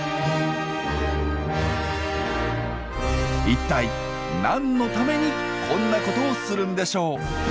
一体何のためにこんなことをするんでしょう？